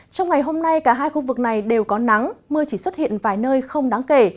trong ngày hôm nay cả hai khu vực này đều có nắng mưa chỉ xuất hiện vài nơi không đáng kể